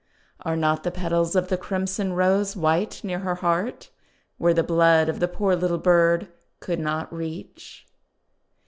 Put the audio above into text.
Are not the petals of the Crimson Rose white near her heart, where the blood of the poor little bird could not reach?